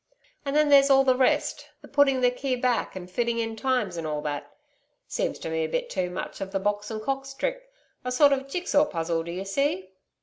And then there's all the rest the putting the key back and fitting in times and all that.... Seems to me a bit too much of the Box and Cox trick a sort of jig saw puzzle, d'you see.'